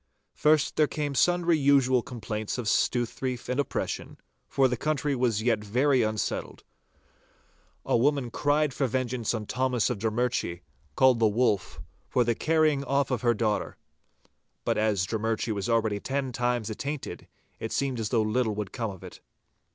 First there came sundry usual complaints of stouthreif and oppression, for the country was yet very unsettled. A woman cried for vengeance on Thomas of Drummurchie, called the Wolf, for the carrying off of her daughter. But as Drummurchie was already ten times attainted, it seemed as though little would come of it.